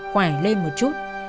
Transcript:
khỏe lên một chút